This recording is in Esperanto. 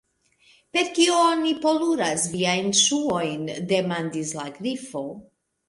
"Per kio oni poluras viajn ŝuojn?" demandis la Grifo.